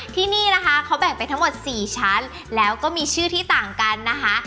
ที่นี่นะคะเขาแบ่งไปทั้งหมด๔ชั้นแล้วก็มีชื่อที่ต่างกันนะคะ